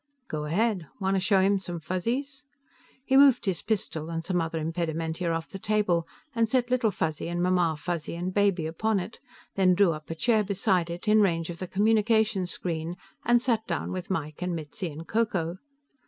"Go ahead. Want to show him some Fuzzies?" He moved his pistol and some other impedimenta off the table and set Little Fuzzy and Mamma Fuzzy and Baby upon it, then drew up a chair beside it, in range of the communication screen, and sat down with Mike and Mitzi and Ko Ko.